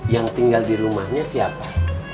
yang tinggal di rumahnya siapa